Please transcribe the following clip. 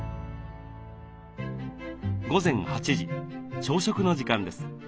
午前８時朝食の時間です。